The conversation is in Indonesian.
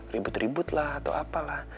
ribut ribut lah atau apalah